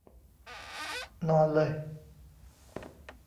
นอนเลย !